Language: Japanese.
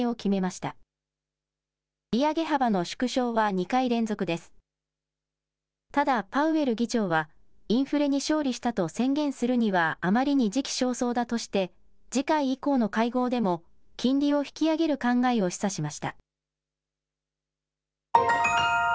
ただパウエル議長はインフレに勝利したと宣言するにはあまりに時期尚早だとして次回以降の会合でも金利を引き上げる考えを示唆しました。